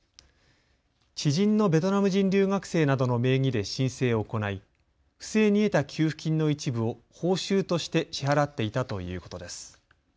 知人のベトナム人留学生などの名義で申請を行い不正に得た給付金の一部を報酬として支払っていたということです。